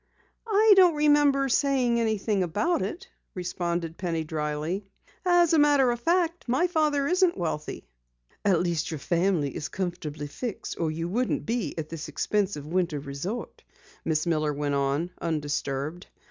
"I don't remember saying anything about it," responded Penny dryly. "As a matter of fact, my father isn't wealthy." "At least your family is comfortably fixed or you wouldn't be at this expensive winter resort," Miss Miller went on, undisturbed.